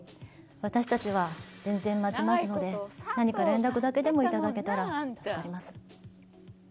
私たちは全然待ちますので何か連絡だけでもいただけたら助かります。